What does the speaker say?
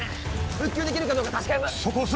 復旧できるかどうか確かめます